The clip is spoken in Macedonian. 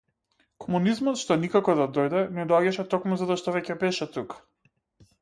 Комунизмот што никако да дојде, не доаѓаше токму затоа што веќе беше тука.